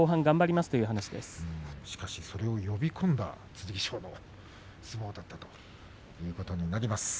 またそれを呼び込んだ剣翔の相撲だったということになります。